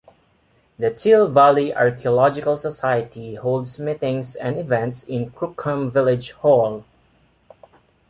The Till Valley Archaeological Society holds meetings and events in Crookham Village Hall.